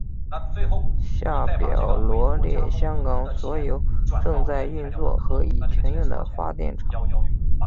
下表罗列香港所有正在运作和已停用的发电厂。